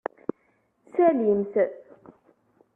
Salim-t.